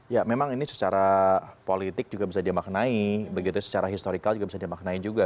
ya memang ini secara politik juga bisa dimaknai begitu secara historikal juga bisa dimaknai juga